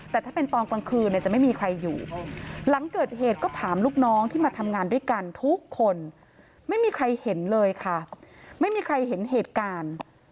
แต่ถ้าเป็นตอนกลางคืนเนี่ยจะไม่มีใครอยู่หลังเกิดเหตุก็ถามลูกน้องที่มาทำงานด้วยกันทุกคนไม่มีใครเห็นเลยค่ะไม่มีใครเห็นเหตุการณ์